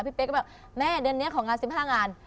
เป๊กก็แบบแม่เดือนนี้ของงาน๑๕งาน